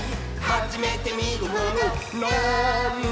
「はじめてみるものなぁーんだ？」